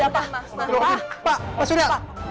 pak sudah pak